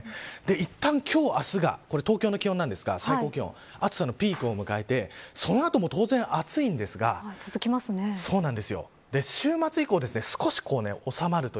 いったん今日、明日が東京の気温ですが最高気温も暑さのピークを迎えてその後も当然暑いんですが３０度になりますか。